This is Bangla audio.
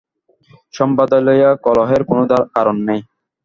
সম্প্রদায় লইয়া কলহের কোন কারণ নাই।